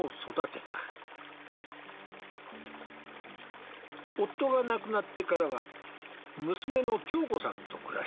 夫が亡くなってからは娘の恭子さんと暮らしてきた。